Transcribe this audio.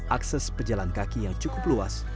akses pejalan kaki yang cukup luas